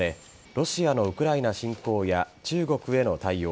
ロシアのウクライナ侵攻や中国への対応